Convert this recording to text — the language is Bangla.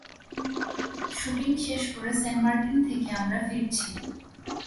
শুটিং শেষ করে সেন্ট মার্টিন থেকে আমরা ফিরছি।